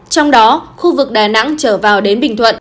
trong đó khu vực đà nẵng trở vào đến bình thuận